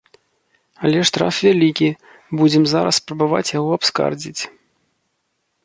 Але штраф вялікі, будзем зараз спрабаваць яго абскардзіць.